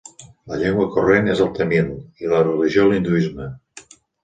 La llengua corrent és el tàmil i la religió l'hinduisme.